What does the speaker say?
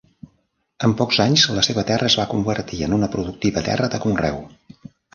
En pocs anys la seva terra es va convertir en una productiva terra de conreu.